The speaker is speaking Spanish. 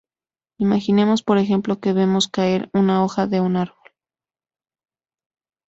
Imaginemos, por ejemplo, que vemos caer una hoja de un árbol.